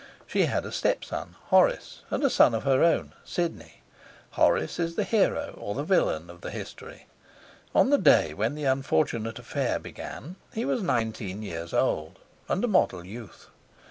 She had a stepson, Horace, and a son of her own, Sidney. Horace is the hero, or the villain, of the history. On the day when the unfortunate affair began he was nineteen years old, and a model youth.